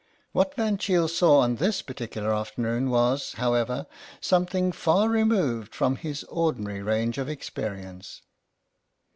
What Van Cheele saw on this particular afternoon was, however, something far re moved from his ordinary range of experience.